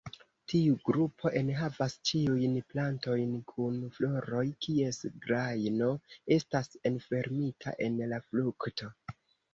Tiu grupo enhavas ĉiujn plantojn kun floroj kies grajno estas enfermita en la frukto.